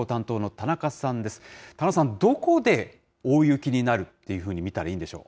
田中さん、どこで大雪になるっていうふうに見たらいいんでしょう。